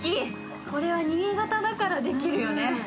これは新潟だからできるよね